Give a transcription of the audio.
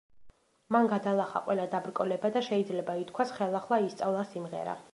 მან გადალახა ყველა დაბრკოლება და, შეიძლება ითქვას, ხელახლა ისწავლა სიმღერა.